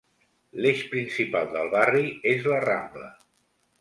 L'eix principal del barri és la Rambla.